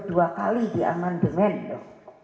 dua kali di amandemen itu